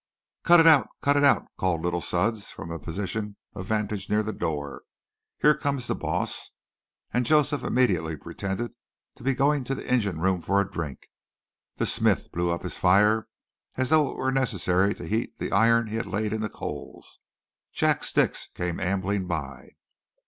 "Cut it out! Cut it out!" called little Sudds from a position of vantage near the door. "Here comes the boss," and Joseph immediately pretended to be going to the engine room for a drink. The smith blew up his fire as though it were necessary to heat the iron he had laid in the coals. Jack Stix came ambling by.